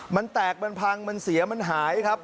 มันแตกมันพังมันเสียมันหายครับ